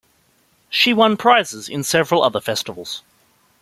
She won prizes in several other festivals.